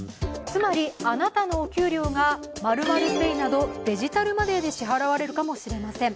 つまり、あなたのお給料が○○Ｐａｙなどデジタルマネーで支払われるかもしれません。